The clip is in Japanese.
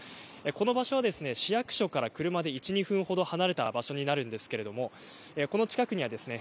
この場所ですね、市役所から車で１、２分ほど離れた場所になるんですけどもこの近くにはですね